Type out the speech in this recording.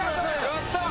やったー！